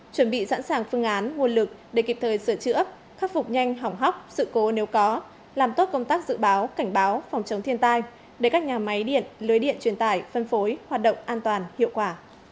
chuẩn bị sẵn sàng phương án nguồn lực để kịp thời sửa chữa khắc phục nhanh hỏng hóc sự cố nếu có làm tốt công tác dự báo cảnh báo phòng chống thiên tai để các nhà máy điện lưới điện truyền tải phân phối hoạt động an toàn hiệu quả